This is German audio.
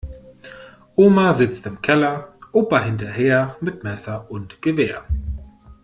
Oma sitzt im Keller, Opa hinterher, mit Messer und Gewehr.